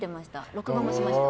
録画もしました。